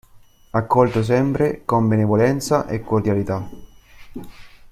Accolto sempre con benevolenza e cordialità.